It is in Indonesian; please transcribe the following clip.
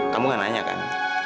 kamu gak nanya kan